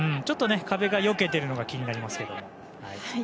ちょっと壁がよけてるのが気になりますけど。